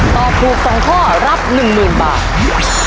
ตอบถูก๒ข้อรับ๑๐๐๐บาท